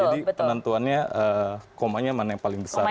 jadi penentuannya komanya mana yang paling besar gitu